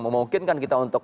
memungkinkan kita untuk